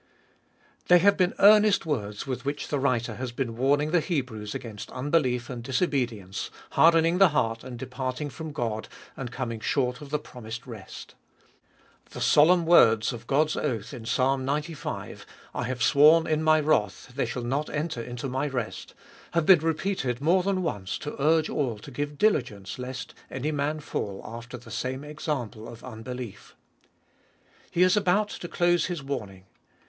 THEY have been earnest words with which the writer has been warning the Hebrews against unbelief and disobedience, harden ing the heart and departing from God, and coming short of the promised rest. The solemn words of God's oath in Ps. xcv., / have sworn in My wrath, they shall not enter into My rest, have been repeated more than once to urge all to give diligence lest any man fall after the same example of unbelief. He is about to close his warning.